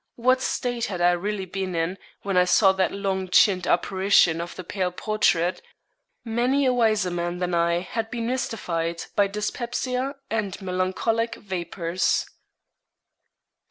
What state had I really been in, when I saw that long chinned apparition of the pale portrait? Many a wiser man than I had been mystified by dyspepsia and melancholic vapours. CHAPTER XV.